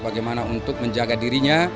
bagaimana untuk menjaga dirinya